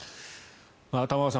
玉川さん